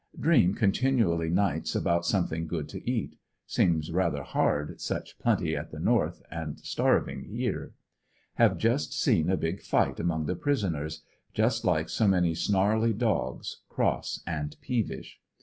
Dream continu ally nights about something good to eat; seems rather hard such plenty at the North and starving here. Have just seen a big fight among the prisoners; just like so many snarly dogs, cross and peevish.